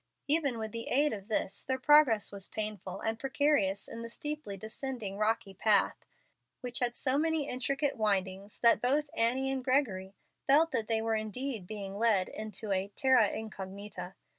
Even with the aid of this their progress was painful and precarious in the steeply descending rocky path, which had so many intricate windings that both Annie and Gregory felt that they were indeed being led into a terra incognita.